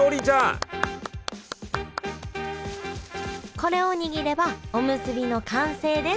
これを握ればおむすびの完成です